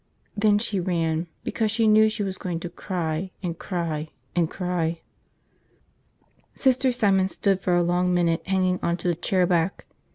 Then she ran because she knew she was going to cry and cry and cry. Sister Simon stood for a long minute hanging on to the chair back.